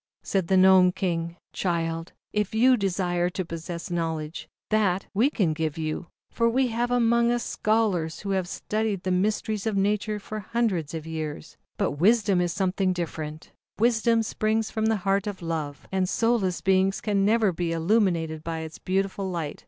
Said the Gnome King: "Child, if you desire to possess knowledge, that we can give you, for we have among us scholars, who have studied the Mysteries of Nature for hundreds of years. But 10 146 ZAUBERLINDA, THE WISE WITCH. Wisdom is something different. Wisdom springs from the heart of Love, and soulless beings can never be illuminated by its beautiful light.